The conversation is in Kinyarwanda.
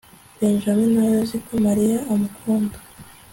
benjamin ntazi ko mariya amukunda